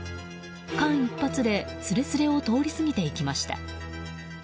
間一髪ですれすれを通り過ぎていきました。